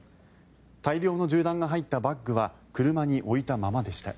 大量の銃弾が入ったバッグは車に置いたままでした。